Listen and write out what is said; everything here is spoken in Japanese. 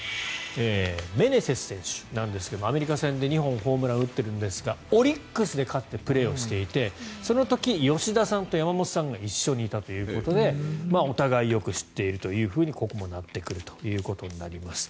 メネセス選手なんですがアメリカ戦で２本ホームランを打っているんですがオリックスでかつてプレーをしていてその時に吉田さんと山本さんが一緒にいたということでお互いよく知っているとここもなってくるということです。